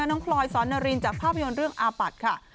น้องพลอยสอนนารินจากภาพยนตร์เรื่องอาปัตย์ค่ะ